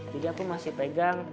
jadi aku masih pegang